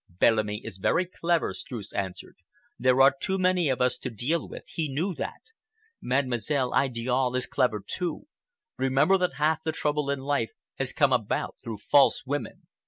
"Bellamy is very clever," Streuss answered. "There are too many of us to deal with,—he knew that. Mademoiselle Idiale is clever, too. Remember that half the trouble in life has come about through false women.